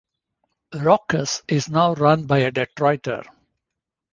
Rawkus is now run by a Detroiter.